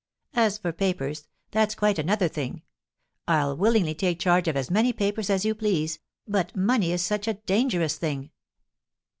As for papers, that's quite another thing; I'll willingly take charge of as many papers as you please, but money is such a dangerous thing!"